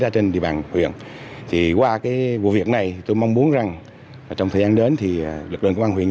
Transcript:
thì qua cái vụ việc này tôi mong muốn rằng trong thời gian đến thì lực lượng công an huyện